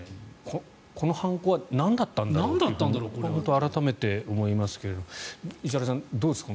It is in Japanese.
この犯行はなんだったんだろうと本当に改めて思いますけど石原さん、どうですか。